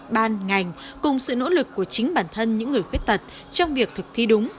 ban ngành cùng sự nỗ lực của chính bản thân những người khuyết tật trong việc thực thi đúng